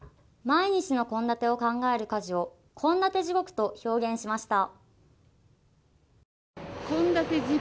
毎日の献立を考える家事を献立地獄と表現しました。